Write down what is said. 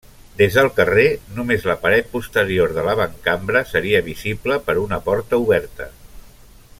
Des del carrer, només la paret posterior de l'avantcambra seria visible per una porta oberta.